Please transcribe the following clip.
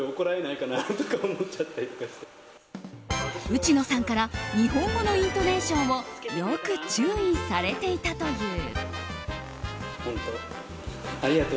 内野さんから日本語のイントネーションをよく注意されていたという。